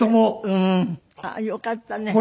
うん！ああよかったね。